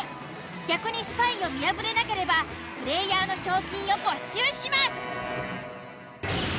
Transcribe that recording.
逆にスパイを見破れなければプレイヤーの賞金を没収します。